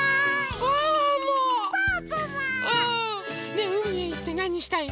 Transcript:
ねえうみへいってなにしたい？